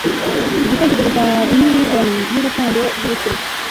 Igitekerezo cya Milton cyurukundo rwubukwe